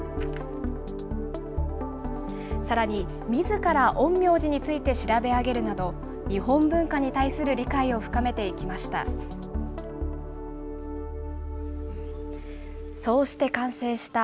さらにみずから陰陽師について調べ上げるなど、日本文化に対する理解を深めていきました。